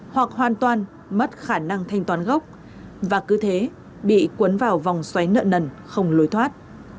hoặc hoàn toàn mất khả năng thanh toán gốc và cứ thế bị cuốn vào vòng xoáy nợ nần không lối thoát